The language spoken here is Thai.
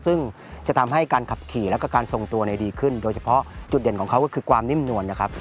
ซึ่งจะทำให้การขับขี่แล้วก็การทรงตัวดีขึ้นโดยเฉพาะจุดเด่นของเขาก็คือความนิ่มนวลนะครับ